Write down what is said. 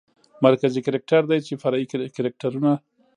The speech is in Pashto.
مرکزي کرکتر دى چې فرعي کرکترونه